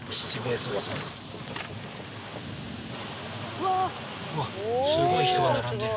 うわすごい人が並んでる。